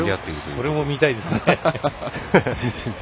それも見たいですね。